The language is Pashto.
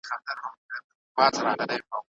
تولید د خلکو اړتیاوې پوره کوي.